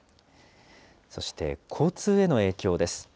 そして交通への影響です。